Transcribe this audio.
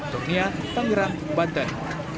tok nia tangerang banten